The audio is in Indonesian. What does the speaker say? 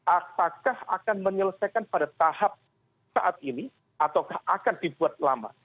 apakah akan menyelesaikan pada tahap saat ini atau akan dibuat lama